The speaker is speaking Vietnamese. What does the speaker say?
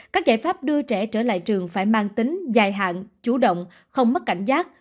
các giải pháp đưa trẻ trở lại trường phải mang tính dài hạn chủ động không mất cảnh giác